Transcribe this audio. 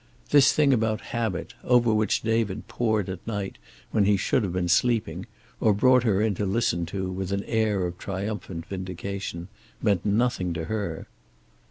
This thing about habit, over which David pored at night when he should have been sleeping, or brought her in to listen to, with an air of triumphant vindication, meant nothing to her.